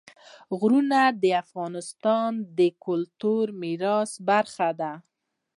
غرونه د افغانستان د کلتوري میراث برخه ده.